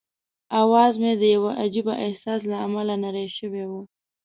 اواز مې د یوه عجيبه احساس له امله نری شوی وو.